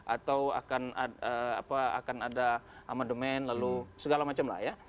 atau akan ada amandemen lalu segala macam lah ya